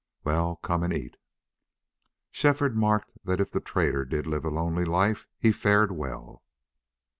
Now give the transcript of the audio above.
"Well, come and eat." Shefford marked that if the trader did live a lonely life he fared well.